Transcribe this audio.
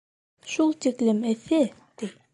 Шул тиклем эҫе, ти.